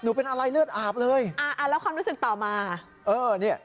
เป็นอะไรเลือดอาบเลยอ่าอ่าแล้วความรู้สึกต่อมาเออเนี่ย